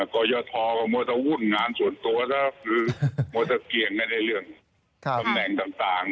ก็อย่าทอว่าจะวุ่นงานส่วนตัวหรือจะเกี่ยงในเรื่องตำแหน่งต่าง